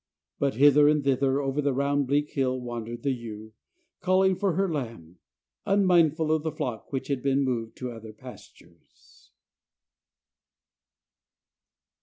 But hither and thither over the round bleak hill wandered the ewe, calling for her lamb, unmindful of the flock, which had been moved to other pastures.